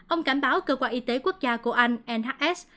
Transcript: ông cảnh báo cơ quan y tế quốc gia của anh nhs